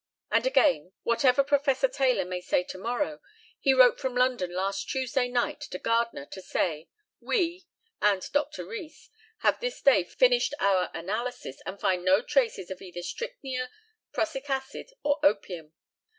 And again, whatever Professor Taylor may say to morrow, he wrote from London last Tuesday night to Gardner to say, 'We (and Dr. Rees) have this day finished our analysis, and find no traces of either strychnia, prussic acid, or opium.